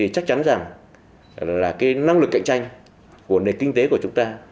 chắc chắn rằng là năng lực cạnh tranh của nền kinh tế của chúng ta